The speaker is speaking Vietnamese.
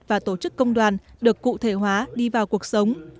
và tổ chức công đoàn được cụ thể hóa đi vào cuộc sống